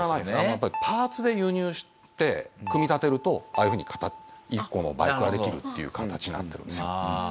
やっぱりパーツで輸入して組み立てるとああいう風に１個のバイクができるっていう形になってるんですよ。